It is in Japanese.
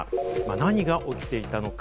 何が起きていたのか。